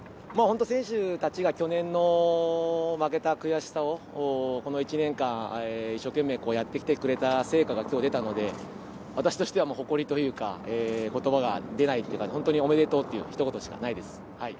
選手たちが負けた悔しさをこの１年間一生懸命やってきてくれた成果が今日、出たので、私としては誇りというか言葉が出ないというか本当におめでとうのひと言しかないです。